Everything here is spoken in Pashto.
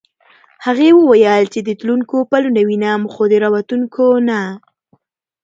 هغې وویل چې د تلونکو پلونه وینم خو د راوتونکو نه.